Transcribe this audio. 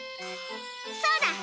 そうだ！